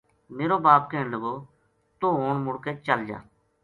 میرو باپ کہن لگو ”توہ ہن مُڑ کے چل جا